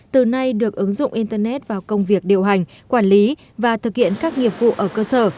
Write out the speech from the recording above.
từ nay được ứng dụng internet vào công việc điều hành quản lý và thực hiện các nghiệp vụ ở cơ sở